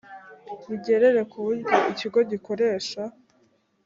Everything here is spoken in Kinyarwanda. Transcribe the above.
bigerere ku buryo ikigo gikoresha